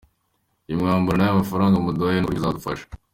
Uyu mwambaro n’aya mafaranga muduhaye ni ukuri bizadufasha.